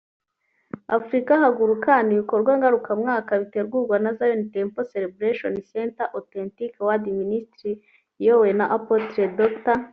Afrika Haguruka” ni ibikorwa ngarukamwaka bitegurwa na Zion Temple Celebration Center/Authentic Word Ministries iyobowe na Apostle Dr